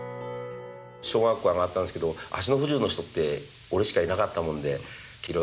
小学校上がったんですけど足の不自由な人って俺しかいなかったもんでいろいろ言われたんだね。